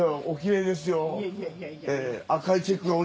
おきれいですよ。